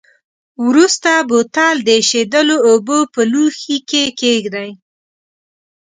وروسته بوتل د ایشېدلو اوبو په لوښي کې کیږدئ.